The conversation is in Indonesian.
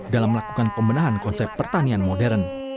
dalam melakukan pembenahan konsep pertanian modern